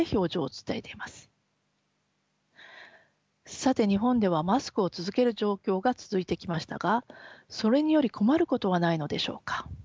さて日本ではマスクを続ける状況が続いてきましたがそれにより困ることはないのでしょうか。